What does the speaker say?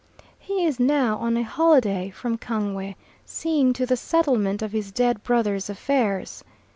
He is now on a holiday from Kangwe, seeing to the settlement of his dead brother's affairs.